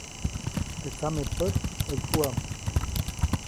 Teʼ tsamepät ʼäkuʼam.